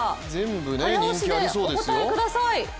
早押しでお答えください。